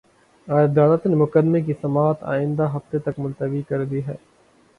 عدالت نے مقدمے کی سماعت آئندہ ہفتے تک ملتوی کر دی ہے